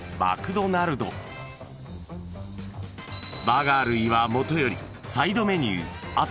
［バーガー類はもとよりサイドメニュー朝